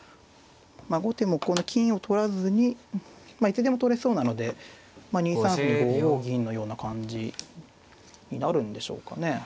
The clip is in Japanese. まあ後手もこの金を取らずにまあいつでも取れそうなので２三歩に５五銀のような感じになるんでしょうかね。